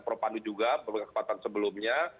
propandu juga pemerintah kepatan sebelumnya